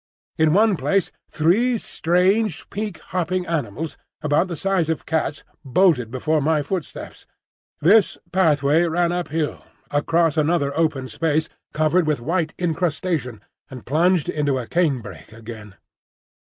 In one place three strange, pink, hopping animals, about the size of cats, bolted before my footsteps. This pathway ran up hill, across another open space covered with white incrustation, and plunged into a canebrake again.